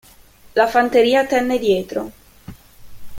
La fanteria tenne dietro.